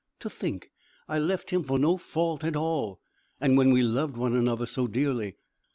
To think I left him for no fault at all; and when we loved one another so dearly!